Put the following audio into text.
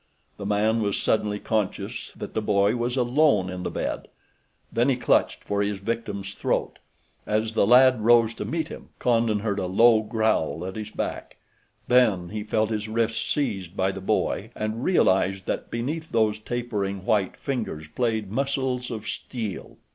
The man was suddenly conscious that the boy was alone in the bed. Then he clutched for his victim's throat. As the lad rose to meet him Condon heard a low growl at his back, then he felt his wrists seized by the boy, and realized that beneath those tapering, white fingers played muscles of steel.